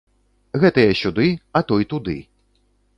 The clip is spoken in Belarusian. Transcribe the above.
Гэтыя сюды, а той туды.